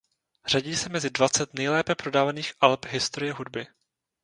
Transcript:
Řadí se mezi dvacet nejlépe prodávaných alb historie hudby.